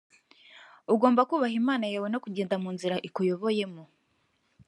ugomba kubaha imana yawe no kugenda mu nzira ikuyoboyemo